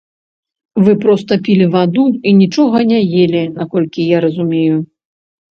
Вы проста пілі ваду і нічога не елі, наколькі я разумею?